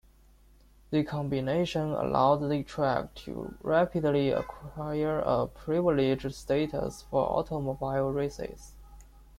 The combination allowed the track to rapidly acquire a privileged status for automobile races.